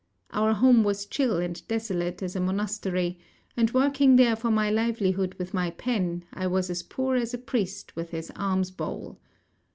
Our home was chill and desolate as a monastery; and working there for my livelihood with my pen, I was as poor as a priest with his alms bowl.